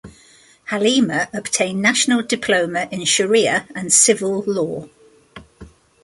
Halima obtained National Diploma in sharia and civil law.